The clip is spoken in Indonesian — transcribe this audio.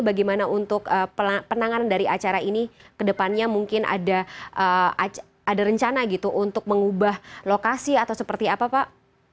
bagaimana untuk penanganan dari acara ini ke depannya mungkin ada rencana gitu untuk mengubah lokasi atau seperti apa pak